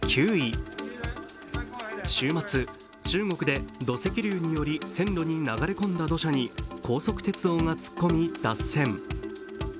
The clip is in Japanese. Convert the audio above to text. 週末、中国で土石流により線路に流れ込んだ土砂に高速鉄道が突っ込み、脱線。